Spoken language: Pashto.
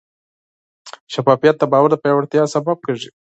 شفافیت د باور د پیاوړتیا سبب کېږي.